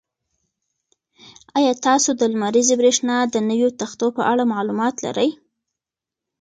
ایا تاسو د لمریزې برېښنا د نویو تختو په اړه معلومات لرئ؟